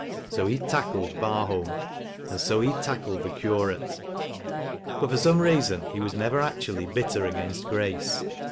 So he "tackled" Barholm, and so he "tackled" the curate But, for some reason, he was never actually bitter against Grace.